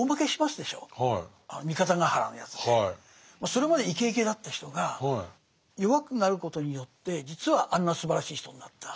それまでイケイケだった人が弱くなることによって実はあんなすばらしい人になった。